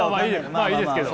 まあいいですけど。